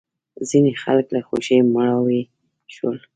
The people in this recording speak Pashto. ځینې خلک له خوښۍ مړاوې شول.